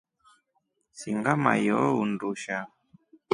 Singa maiyoo undusha.